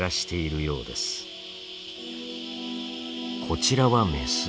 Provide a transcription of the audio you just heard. こちらはメス。